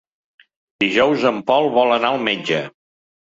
Dijous en Pol vol anar al metge.